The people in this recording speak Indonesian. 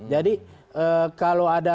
jadi kalau ada